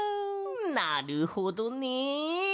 なるほどね。